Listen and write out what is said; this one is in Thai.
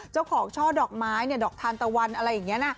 ช่อดอกไม้ดอกทานตะวันอะไรอย่างนี้นะ